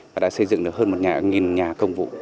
và đã xây dựng được hơn một nhà công vụ